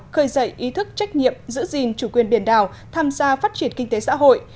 khơi dậy ý thức trách nhiệm giữ gìn chủ quyền biển đảo tham gia phát triển kinh tế xã hội